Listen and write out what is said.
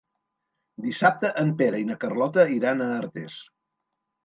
Dissabte en Pere i na Carlota iran a Artés.